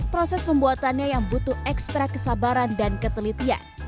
proses pembuatannya yang butuh ekstra kesabaran dan ketelitian